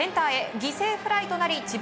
犠牲フライとなり智弁